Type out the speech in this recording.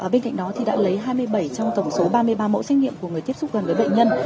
bên cạnh đó đã lấy hai mươi bảy trong tổng số ba mươi ba mẫu xét nghiệm của người tiếp xúc gần với bệnh nhân